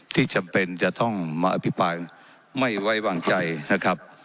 จำเป็นจะต้องมาอภิปรายไม่ไว้วางใจนะครับ